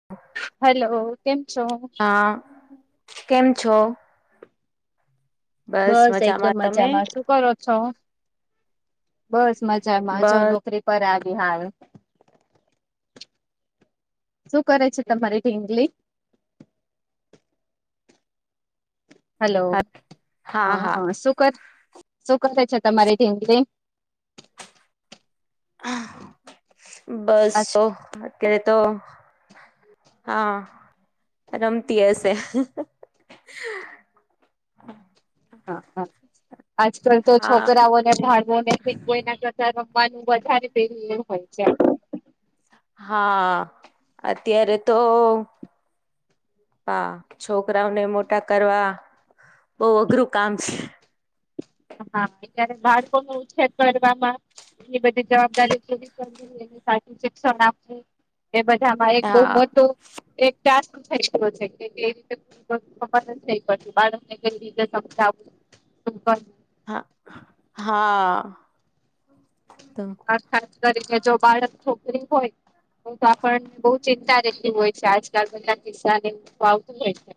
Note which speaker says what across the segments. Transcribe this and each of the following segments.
Speaker 1: [inaudible]
Speaker 2: Hello કેમ છો.
Speaker 1: હા કેમ છો?
Speaker 2: બસ એકદમ મજામાં છું. કરો છો? બસ મજામાં જ
Speaker 1: બસ
Speaker 2: નોકરી પર આવી હાલ. શું કરે છે તમારી ઢીંગલી? હલો હા હ શું કર શું કરે છે તમારી ઢીંગલી?
Speaker 1: બસ
Speaker 2: આજ
Speaker 1: અત્યારે તો હા રમતી હશે.
Speaker 2: આજ કલ તો
Speaker 1: હા
Speaker 2: છોકરાઓને ભણ કોઈના કરતા રમવાનું વધારેે હોય છે.
Speaker 1: હા અત્યારે તો હા છોકરાઓને મોટા કરવા બહ અઘરું કામ છે.
Speaker 2: હા અત્યારે બાળકો ન ઉછેર કરવામાં એની બધી જવાબદારી પૂરી કરવી. શિક્ષણ આપ એ બધામાં એક બહ
Speaker 1: હા
Speaker 2: મોટું એક ટાસ્ક એ રીતે પપ્પાને જ થઈ પડશે બાળકને કઈ રીતે સમજાવું
Speaker 1: હા હા તો.
Speaker 2: ખાસ કરીને જો બાળક છોકરી હોય. તો પણ બો ચિંતા રહેતી હોય છે આજકાલ બધા કિસ્સા ને તો આવતું હોય છે.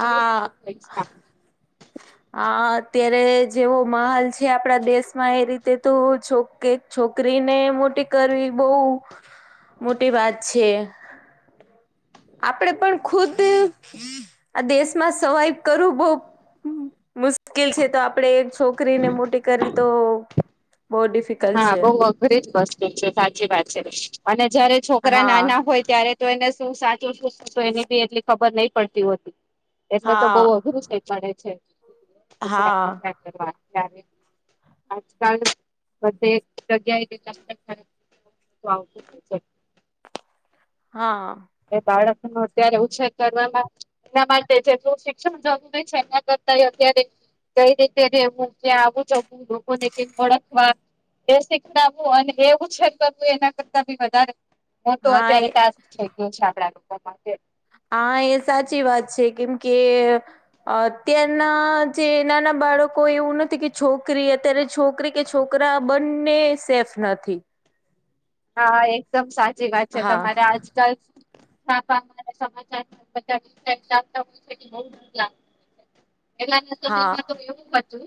Speaker 1: હા હા અત્યારે જેવો માહોલ છે આપણા દેશમાં એ રીતે તો જોકે છોકરીને મોટી કરવી બઉ મોટી વાત છે. આપડે પણ ખુદ આ દેશમાં સવાઈવ કરું બહ મુ કેલ છે તો આપડે એક છોકરીને મોટી કરવી તો બહુ ડિફિકલ્ટ
Speaker 2: હા
Speaker 1: છે
Speaker 2: બહ અઘરી જ વસ્તુ છે સાચી વાત છે અને જયારે છોકરા
Speaker 1: હા
Speaker 2: નાના હોય ત્યારે તો એને શું સાચું શું ખોટું તો એની બી એટલી ખબર નહી પડતી હોતી એટલે તો
Speaker 1: હા
Speaker 2: બઉુ અઘરું થઈ પડે
Speaker 1: હા
Speaker 2: છેરા આજકાલ બધે જગ્યાએ કેટલા આવ
Speaker 1: હા.
Speaker 2: એ બાળક નો અત્યારે ઉછેર કરવામાં એના માટે જેટલું શિક્ષણ જરૂરી છે એના કરતાય અત્યારે કઈ રીતે હું ત્યાં આવું છું લોકોને કઈક ઓળખવા. એ શીખતાવવું અને એવુ છે તો એના કરતા બી વધારે હ તો
Speaker 1: હા એ
Speaker 2: અત્યારે ટાસ્ક થઈ ગયું છે આપડા લોકો માટે.
Speaker 1: હા, એ સાચી વાત છે કેમ કે. અત્યારના જે નાના બાળકો એવું નથી કે છોકરી અત્યારે છોકરી કે છોકરા બંને સેફ નથી.
Speaker 2: હા, એકદમ સાચી વાત છે,
Speaker 1: હા
Speaker 2: તમારે આજકાલ [unintelligible] એનાના
Speaker 1: હા
Speaker 2: સમયમાં તો એવું ક હતુ,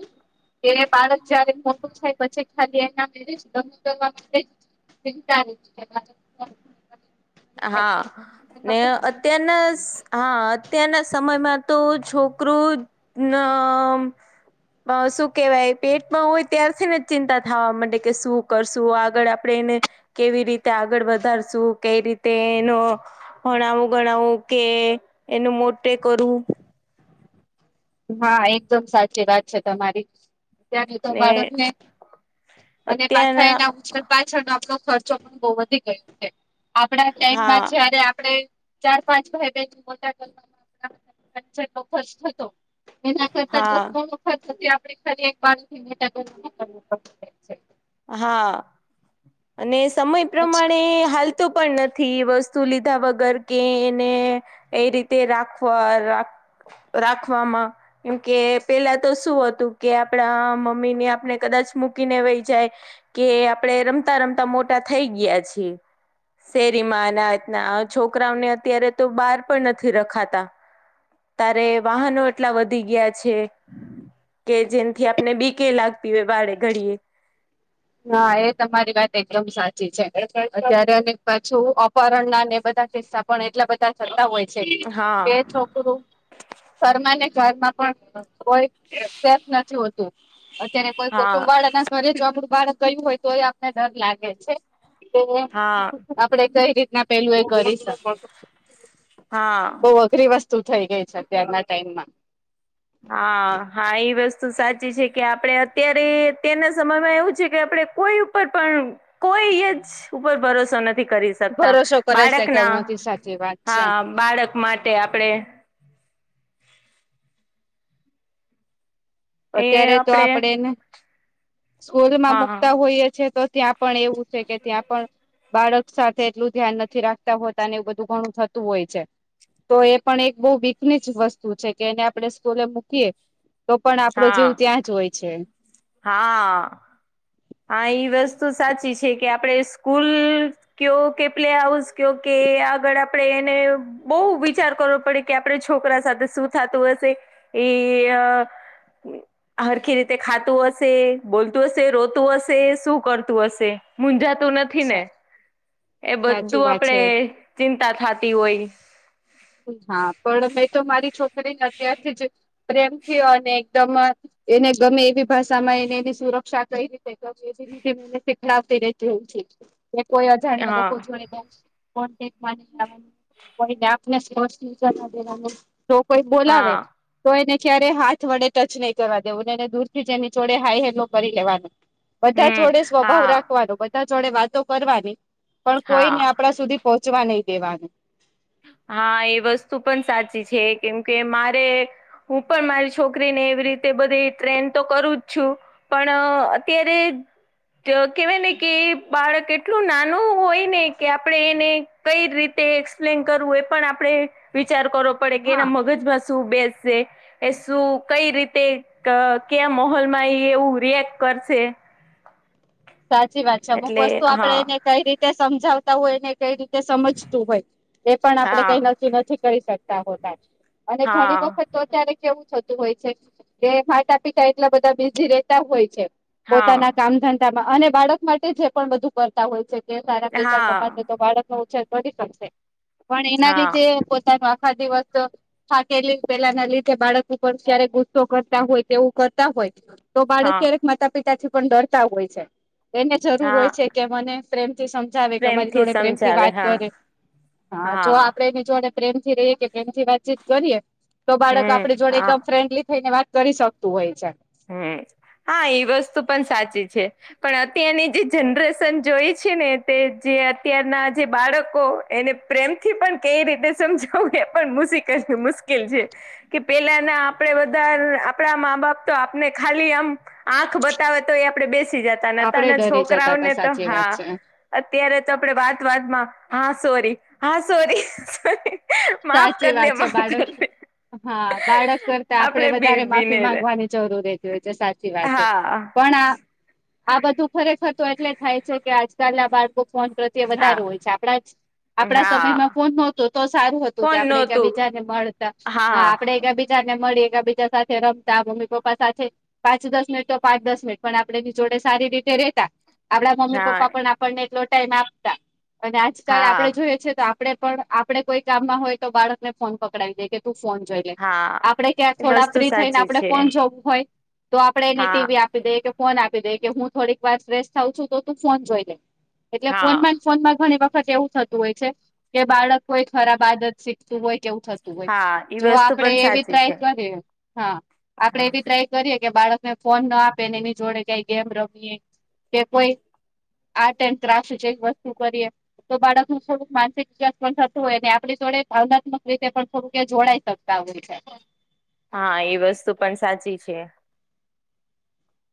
Speaker 2: કે બાળક જયારે મોટું થાય પછી ખાલી [unintelligible]
Speaker 1: હા. ને અત્યારના હા અત્યારના સમયમાં તો છોકરુ નમ શું કેવાય પેટમાં હોય ત્યારથી ને ચિંતા થવા માંડે કે શું કરશું આગળ આપણેે એને કેવી રીતે આગળ વધારશું કેઈ રીત તેનો ભણાવું ગણાવવું કે એનું મોટે કરું.
Speaker 2: હા, એકદમ સાચી વાત છે તમારી ત્યારે તો
Speaker 1: ને
Speaker 2: બાળકને અને પાછા
Speaker 1: અત્યારના
Speaker 2: એના ઉછે પાછળ આપણો ખર્ચો પણ બો વધી ગયો છે આપણા ટાઈમમાં
Speaker 1: હા
Speaker 2: જયારે આપણે ચાર પાંચ ભાઈ બેહેન મોટા કરતા [unintelligible] થતો.
Speaker 1: હા
Speaker 2: એના કરતા દસ [unintelligible]
Speaker 1: હા, અને સમય
Speaker 2: છે.
Speaker 1: પ્રમાણે હાલ તુ પણ નથી વસ્તુ લીધા વગર કે એને એ રીતે રાખવા રા રાખવામાં. કેમ કે પેલા તો શું હતું કે આપણા મમ્મી ને આપણે કદાચ મૂકીને વેય જાય. કે આપડે રમતા રમતા મોટા થઈ ગયા છીએ. શેરીમાં ના રીતના છોકરાઓને અત્યારે તો બાર પણ નથી રખાતા. તારે વાહનો એટલા વધી ગયા છે. કે જેમથી આપને બી કે લાગતી હોય વાળે ઘડીએ.
Speaker 2: હા, એ તમારી વાત એકદમ સાચી છે અત્યારે અને પાછું અપહરણના ને બધા કિસ્સા પણ એટલા બધા થતા હોય છે
Speaker 1: હા
Speaker 2: કે છોક ઘરમાંને ઘરમાં પણ કોઈ સેફ નથી હોતું. અત્યારે કોઈ
Speaker 1: હા
Speaker 2: કુટુંબવાળા ના ઘરે જો આપરું બાળક ગયું હોય તોયે આપણને ડર લાગે છે.
Speaker 1: હા
Speaker 2: આપડે કઈ રીતના પેલું એ કરી શકે
Speaker 1: હા
Speaker 2: બહુ અઘરી વસ્તુ થઈ ગઈ છે અત્યારના ટાઈમમાં
Speaker 1: હા, હા એ વસ્તુ સાચી છે કે આપડે અત્યારે અત્યારના સમયમાં એવું છે કે આપડે કોઈ ઉપર પણ કોઈ જ ઉપર ભરોસો નથી કરી શકતા
Speaker 2: ભરોસો કરે છે કે
Speaker 1: બાળકના
Speaker 2: હું નથી સાચી વાત છે.
Speaker 1: હા, બાળક માટે આપણે
Speaker 2: અત્યારે તો આપડે એને સ્કૂલમાં
Speaker 1: હા હા
Speaker 2: મૂકતા હોઈએ છે તો ત્યાં પણ એવું છે કે ત્યાં પણ બાળક સાથે એટલું ધ્યાન નથી રાખતા હોતા ને એવું બધું ઘણું થતું હોય છે. તો એ પણ એક બો બીકની જ વસ્તુ છે કે એને આપણે સ્કૂલે મૂકીએ તો પણ આપડો
Speaker 1: હા
Speaker 2: જીવ ત્યાં જ હોય છે.
Speaker 1: હા. હા, ઈ વસ્તુ સાચી છે કે આપડે સ્કૂલ કયો કે પ્લે હાઉસ કયો કે આગળ આપડે એને બઉુ વિચાર કરવો પડે કે આપડે છોકરા સાથે શું થતું હશે એ હરખી રીતે ખાતું હશે બોલતું હશે રો તું હશે શું કરતું હશે મુજાતું નથી ને એ
Speaker 2: સાચું
Speaker 1: બધું
Speaker 2: વાત છે.
Speaker 1: આપણેે ચિંતા થાતી હોય
Speaker 2: હા પણ મેં તો મારી છોકરીને અત્યારથી જ પ્રેમથી અને [unintelligible] એને ગમે એવી ભાષામાં એને એની સુરક્ષા કઈ [unintelligible] ને શીખલાવતી રે એવું છે કે કોઈ અજાણ્યા
Speaker 1: હા
Speaker 2: લોકો જોઈ [unintelligible] જો કોઈ બોલાવે
Speaker 1: હા
Speaker 2: તો એને ક્યારે હાથ વડે ટચ નહીં કરવા દેવું ને એને દૂર થી જેની જોડે હાઈ હેલો કરી લેવાનું [inaudible] બધા
Speaker 1: હમ
Speaker 2: જોડે સ્વભાવ
Speaker 1: હા
Speaker 2: રાખવાનો બધા જોડે વાતો કરવાની પણ
Speaker 1: હા
Speaker 2: કોઈને આપણા સુધી પહોંચવા નહી દેવાનું.
Speaker 1: હા એ વસ્તુ પણ સાચી છે કેમ કે મારે હું પણ મારી છોકરીને એવી રીતે બધી ટ્રેન તો કરું જ છું. પણ અત્યારે કેહેવાય ને કે બાળક એટલું નાનું હોય ને કે આપણેે એને કઈ રીતે એક્સપ્લેન કરવું એ પણ આપણે વિચાર કરવો પડે કે
Speaker 2: હા
Speaker 1: એના મગજમાં શું બેસશે એ શું કઈ રીતે કયા માહોલ માં એ એવું રિએક્ટ કરશે.
Speaker 2: સાચી વાત છે અમુક
Speaker 1: એટલે
Speaker 2: વસ્તુ આપડે
Speaker 1: હા
Speaker 2: એને કઈ રીતે સમજાવતા હોય એને કઈ રીતે સમજતું હોય એ પણ આપણે
Speaker 1: હા
Speaker 2: કઈ નક્કી નથી કરી શકતા હોતા. અને
Speaker 1: હા
Speaker 2: ઘણી વખત તો ત્યારે કેવું થતું હોય છે કે માતા પિતા એટલા બધા બીઝી રેતા હોય છે.
Speaker 1: હા
Speaker 2: પોતાના કામ ધંધામાં અને બાળક માટે છે પણ બધું કર તા હોય છે કે સારા પૈસા
Speaker 1: હા
Speaker 2: કમાશે તો બાળકનો ઉછેર કરી શકશે. પણ એના
Speaker 1: હા
Speaker 2: લીધે પોતાનું આખા દિવસ થાકેલી પેલાના લીધે બાળક ઉપર ક્યારે ગુસ્સો કરતા હોય તેવું કરતા હોય તો બાળક
Speaker 1: હા
Speaker 2: ક્યારેક માતા પિતા થી પણ ડરતા હોય છે એને જરૂર
Speaker 1: હા
Speaker 2: હોય છે કે મને પ્રેમથી સમ જાવે કે અમારી
Speaker 1: પ્રેમથી
Speaker 2: જોડે પ્રેમ થી
Speaker 1: સમજાવે
Speaker 2: વાત
Speaker 1: હા
Speaker 2: કરે હા જો આપડે એની જોડે પ્રેમથી રહીએ કે પ્રેમ થી વાતચીત કરીએ તો બાળક
Speaker 1: હમ
Speaker 2: આપડી જોડે
Speaker 1: હા
Speaker 2: એકદમ ફ્રેન્ડલી થઈને વાત કરી શકતું હોય છે.
Speaker 1: હમ હા એ વસ્તુ પણ સાચી છે. પણ અત્યારની જે જનરેશન જોઈ છે ને તે જે અત્યારના જે બાળકો એને પ્રેમથી પણ કઈ રીતે સમજાવું એ પણ મુસી કે મુશ્કિલ છે. કે પેલા ના આપડે વધાર આપણા મા બાપ તો આપને ખાલી આમ આંખ બતાવે તો એ આપડે બેસી જતા નતા
Speaker 2: આપડે
Speaker 1: ને
Speaker 2: ડરી
Speaker 1: છોકરાઓ
Speaker 2: જતા હતા
Speaker 1: ને તો
Speaker 2: સાચી વાત
Speaker 1: હા
Speaker 2: છે
Speaker 1: અત્યારે તો આપડે વાત વાતમાં હા સોરી હા સોરી સોરી. માફ
Speaker 2: સાચી
Speaker 1: કર દે
Speaker 2: વાત છે
Speaker 1: માફ
Speaker 2: બાળક
Speaker 1: કર દે.
Speaker 2: હા બાળક કરતા આપડે વધારે માફી
Speaker 1: બેબીને રે
Speaker 2: માંગવાની જરૂર રહેતી હોય છે સાચી વાત છે
Speaker 1: હા
Speaker 2: પણ આ આ બધું ખરેખર તો એટલે થાય છે કે આજકાલના બાળકો ફોન પ્ર
Speaker 1: હા
Speaker 2: વધારે હોય છે આપણા આપણા સમયમાં
Speaker 1: હા
Speaker 2: ફોન નહોતો તો સારું હતું. કે
Speaker 1: ફોન
Speaker 2: આપડે એક્યા
Speaker 1: નહોતું
Speaker 2: બીજા ને મળતા હા આપડે. બીજા ને મળી અને બીજા સાથે રમતા મમ્મી પપ્પા સાથે પાંચ દસ મિનિટ તો પાંચ દસ મિનિટ પણ આપણેે એની જોડે સારી રીતે રેતા. આપડા મમ્મી
Speaker 1: હા
Speaker 2: પપ્પા પણ આપણને એટલો ટાઈમ આપતા અને આજકાલ
Speaker 1: હા
Speaker 2: આપણેે જોઈએ છે તો. આપણે પણ આપણે કોઈ કામ માં હોય તો બાળકને ફોન પકડાવી દઈ. કે તું ફોન જોઈ લે
Speaker 1: હા
Speaker 2: આપડે ક્યાં
Speaker 1: એ
Speaker 2: થોડા
Speaker 1: વસ્તુ
Speaker 2: ફ્રી થઈને
Speaker 1: સાચી
Speaker 2: આપડણે
Speaker 1: છે
Speaker 2: ફોન જોવું હોય. તો આપડે એને
Speaker 1: હા
Speaker 2: ટીવી આપી દઈએ કે ફોન આપી દઈએ કે હું થોડીક વાર ફ્રેશ થઉ છું તો તું ફોન જોઈ લે. એટલે
Speaker 1: હા
Speaker 2: ફોનમાં જ ફોનમાં ઘણી વખત એવું થતું હોય છે કે બાળક કોઈ ખરાબ આદત શીખતું હોય કે એવું થતું હોય
Speaker 1: હા ઈ
Speaker 2: જો
Speaker 1: વસ્તુ
Speaker 2: આપડે
Speaker 1: પણ
Speaker 2: એવી
Speaker 1: સાચી
Speaker 2: ટ્રાય
Speaker 1: છે
Speaker 2: કરીએ હા. આપડે
Speaker 1: હા
Speaker 2: એવી ટ્રાય કરીએે કે બાળકને ફોન ના આપેને એની જોડે કઈ ગેમ રમીએ કે કોઈ. આર્ટ એન્ડ ક્રાફ્ટ જે વસ્તુ કરીએ તો બાળક થોડુંક માનસિક ચેન્જ પણ થતો હોય ને. આપળી જોડે ભાવનાત્મક રીતે પણ થોડું કે એ જોડાઈ શકતા હોય છે.
Speaker 1: હા એ વસ્તુ પણ સાચી છે.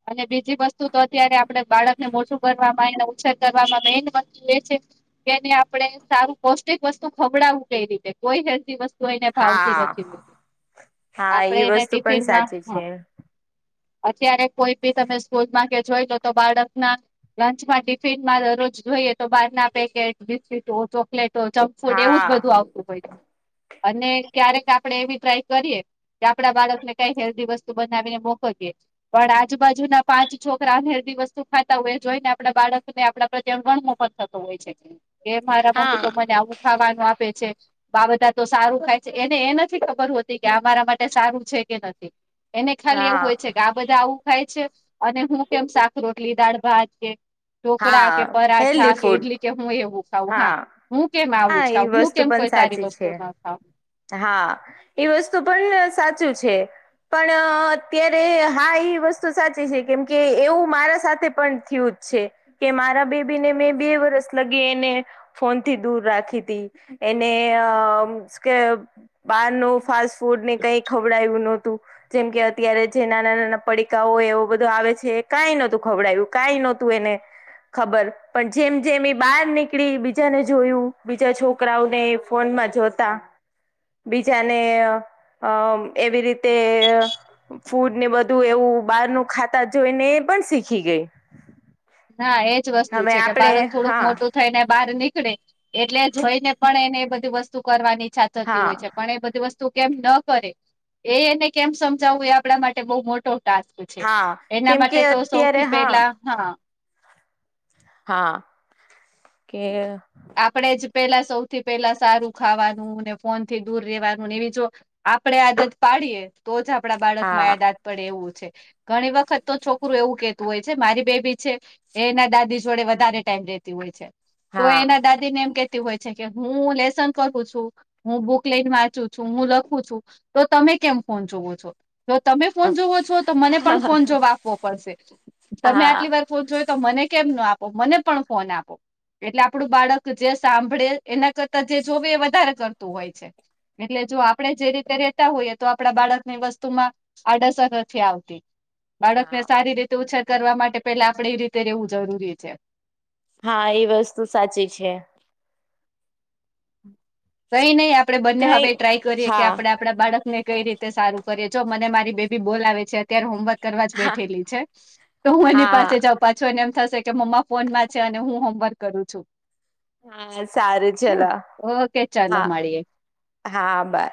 Speaker 2: અને બીજી વસ્તુ તો અત્યારે આપડે બાળક ને મોછું ભરવા. ને ઉછેર કરવામાં મેન વસ્તુ એ છે. કેને આપણે સારું પૌષ્ટિક વસ્તુ ખવડાવું કઈ રીતે કોઈ હેલ્દીવસ્તુ. તો એને ભાવતી
Speaker 1: હા
Speaker 2: નથીતો
Speaker 1: હા
Speaker 2: આપડે
Speaker 1: એ
Speaker 2: એને
Speaker 1: વસ્તુ પણ
Speaker 2: ટિફિનમાં
Speaker 1: સાચી છે
Speaker 2: અત્યારે કોઈ બી તમે સ્કૂલ માં કે જોઈ લો તો બાળક ના લંચમાં ટિફિનમાં દરરોજ જોઈએ તો બાર ના પેકેટ બિસ્કીિટો ચોકલેટો ફૂડ એવું જ
Speaker 1: હા
Speaker 2: બધું આવતું હોય અને ક્યારેક આપડે એવી ટ્રાય કરીએ. કે આપડા બાળકને કઈ હેલ્ધી વસ્તુ બનાવીને મોકો દએ. પણ આજુ બાજુ ના પાંચ છોકરા હેલ્દી વસ્તુ ખાતા હોય જોઈ ને આપડા બાળક ને આપડા પ્રત્યે અભણ મોફત થતો હોય. એ મારા મમ્મી તો
Speaker 1: હા
Speaker 2: મને આવું ખાવાનું આપે છે. બાબધા તો સારું થાય છે એને એ નથી ખબર હોતી કે અમારા માટે સારું છે કે નથી. એને ખાલી એવું
Speaker 1: હા
Speaker 2: હોય છે કે. બધા આવું ખાય છે અને હું કેમ શાક રોટલી દાળ ભાત કે. ઢોકળા
Speaker 1: હા
Speaker 2: કે પરાઠા
Speaker 1: હેલ્ધી
Speaker 2: કે
Speaker 1: ફૂડ
Speaker 2: ઇટલી કે હું એવું. ખાઉ હા હું કેમ આવુંજ
Speaker 1: હા એ
Speaker 2: ખાઉ હું
Speaker 1: વસ્તુ
Speaker 2: કેમ
Speaker 1: પણ
Speaker 2: કોઈ સારી
Speaker 1: સાચી
Speaker 2: વસ્તુ
Speaker 1: છે
Speaker 2: ના ખાવું.
Speaker 1: હા એ વસ્તુ પણ સાચું છે. પણ અત્યારે હા એ વસ્તુ સાચી છે કેમ કે એવું મારા સાથે પણ થીવ છે કે મારા બેબી ને મેં બે વરસ લગી. ને ફોન થી દૂર રાખી તી એને અ. બહાર નુ ફાસ્ટ ફૂડ ને કઈ ખવડાયું નોતું. જેમ કે અત્યારે જે નાના નાના પડીકાઓ એવો બધો આવે છે કંઈ નોતું ખવડાવ્યું. કાય નોતું એને ખબર પણ જેમ જેમ એ બહાર ની. કે બીજાને જોયું બીજા છોકરાઓને ફોનમાં જોતા. બીજાને અ એવી રીતે. ફૂડ ને બધું એવું બહારનું ખાતા જોઈ ને એ પણ સીખી ગઈ.
Speaker 2: હા, એજ વસ્તુ
Speaker 1: હવે
Speaker 2: છે કે
Speaker 1: આપડે
Speaker 2: બાળક થોડુંક
Speaker 1: હા
Speaker 2: મોટું થઈને બહાર નીકળે એટલે, જોઈને પણ એને એ બધી વસ્તુ કરવાની ઈચ્છા થ થતી
Speaker 1: હા
Speaker 2: હોય છે, પણ એ બધી વસ્તુ તું કેમ ન કરે એ એને કેમ સમજાવવું એ આપણા માટે બહુ મોટો ટાસ્ક છે
Speaker 1: હા
Speaker 2: એના
Speaker 1: કેમ કે
Speaker 2: માટે તો
Speaker 1: અત્યારે
Speaker 2: સૌથી
Speaker 1: હા
Speaker 2: પેલા હા.
Speaker 1: હા, કે
Speaker 2: આપણેે જ પેલા સૌથી પેલા સારું ખાવાનું ને ફોન થી દૂર રેવાનુંને એવી જો. આપડે આદત પાડીએ તો જ આપડા બાળક માં
Speaker 1: હા
Speaker 2: આયાદાદ પડે એવું છે. ઘણી વખત તો છોકરું એવું કેતું હોય છે મારી બેબી છે. એ એના દાદી જોડે વધારે ટાઈમ રેતી હોય છે, તો
Speaker 1: હા
Speaker 2: એના દાદીને એમ કેતી હોય છે કે હું લેસન કરું છું, હું બુક લઈને વાંચું છું, હું લખું છું તો તમે કેમ ફોન જોવો છો? તો તમે ફોન જોવો છો, તો મને પણ ફોન જોવા આપવો પડશે. તમે
Speaker 1: હા
Speaker 2: આટલી વાર ફોન જોયો તો મને કેમ ના આપો? મને પણ ફોન આપો. એટલે આપડું બાળક જે સાંભળે, એના કરતા જે જોવે, એ વધારે કરતું હોય છે. એટલે જો આપણેે જે રીતે રેતા હોઈએ તો, આપડા બાળકની વસ્તુમાં આડઅસર નથી આવતી. બાળકને
Speaker 1: હા
Speaker 2: સારી રીતે ઉછેર કરવા માટે પેલા આપડે એ રીતે રેવું જરૂરી છે.
Speaker 1: હા, એ વસ્તુ સાચી છે.
Speaker 2: કઈ નઈ, આપણે બંને
Speaker 1: કઈ
Speaker 2: હવે ટ્રાય કરીએ કે
Speaker 1: હા
Speaker 2: આપણેે આપ આપણા બાળકને કઈ રીતે સારું કરીએ, જો મને મારી બેબી બોલાવે છે. અત્યારે હોમવર્ક કરવા જ
Speaker 1: હા
Speaker 2: બેઠેલી છે તો હું એની
Speaker 1: હા
Speaker 2: પાસે જઉ. પાછો એને એમ થસે કે મમ્મા ફોનમાં છે અને હું હોમવર્ક કરું છું.
Speaker 1: હા, સારું, ચલો.
Speaker 2: ચલો,
Speaker 1: હા
Speaker 2: મળીએ.
Speaker 1: હા, બાય.